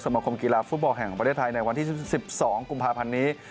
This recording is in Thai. มาคมกีฬาฟุตบอลแห่งประเทศไทยในวันที่๑๒กุมภาพันธ์นี้